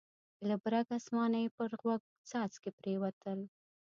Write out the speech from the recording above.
له برګ اسمانه یې پر غوږ څاڅکي پرېوتل.